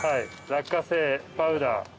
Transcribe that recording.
落花生パウダー。